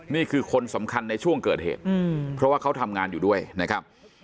นี่คือคนสำคัญในช่วงเกิดเหตุเพราะว่าเขาทำงานอยู่ด้วยนะครับ